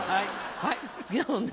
はい次の問題。